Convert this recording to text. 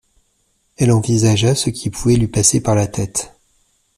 Elle envisagea ce qui pouvait lui passer par la tête